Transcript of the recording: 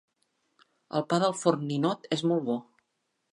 El pa del forn Ninot és molt bo